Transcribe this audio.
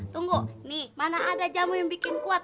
tunggu nih mana ada jamu yang bikin kuat